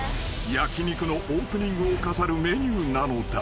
［焼き肉のオープニングを飾るメニューなのだ］